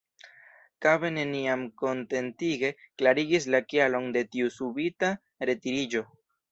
Kabe neniam kontentige klarigis la kialon de tiu subita retiriĝo.